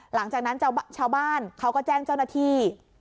หลังจากนั้นชาวบ้านเขาก็แจ้งเจ้าหน้าที่